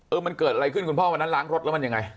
มันเกิดอะไรขึ้นคุณพ่อวันนั้นล้างรถแล้วมันยังไง